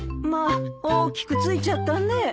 まあ大きく付いちゃったね。